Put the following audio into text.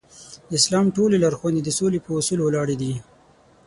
د اسلام ټولې لارښوونې د سولې په اصول ولاړې دي.